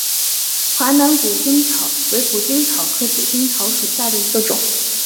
华南谷精草为谷精草科谷精草属下的一个种。